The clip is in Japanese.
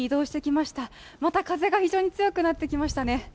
また風が非常に強くなってきましたね。